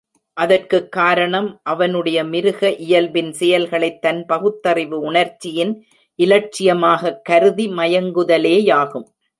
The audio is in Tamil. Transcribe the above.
அதற்குக் காரணம் அவனுடைய மிருக இயல்பின் செயல்களைத் தன் பகுத்தறிவு உணர்ச்சியின் இலட்சியமாகக் கருதி மயங்குதலேயாகும்.